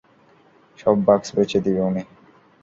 সব বাক্স বেচে দিবে উনি।